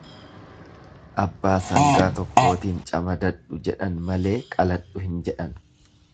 Abbaa sangaa tokkootiin camadadhu jedhan malee qaladhu hin jedlhan.